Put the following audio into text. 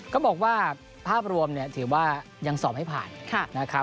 ก็บอกว่าภาพรวมเนี่ยถือว่ายังสอบให้ผ่าน